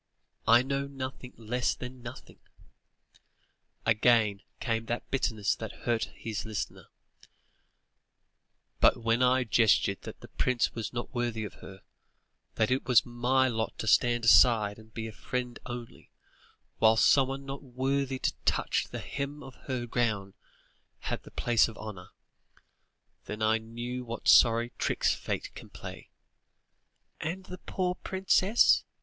I know nothing, less than nothing" again came that bitterness that hurt his listener "but when I guessed that the prince was not worthy of her, that it was my lot to stand aside and be a friend only, whilst someone not worthy to touch the hem of her gown, had the place of honour, then I knew what sorry tricks Fate can play!" "And the poor princess?"